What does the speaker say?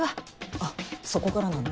あっそこからなんだ。